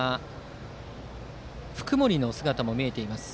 福盛の姿も見えています。